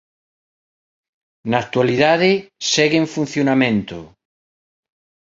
Na actualidade segue en funcionamento.